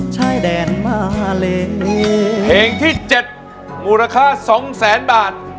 เพลงที่๗มูลค่า๒๐๐๐๐๐บาท